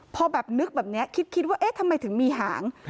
พอแบบนึกแบบนี้คิดว่าเอ๊ะทำไมถึงมีหาง